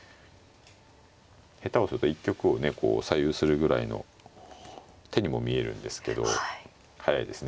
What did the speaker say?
下手をすると一局をね左右するぐらいの手にも見えるんですけど速いですね